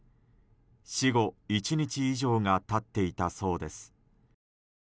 死後１日以上が経っていたそうです。